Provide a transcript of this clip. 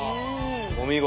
お見事。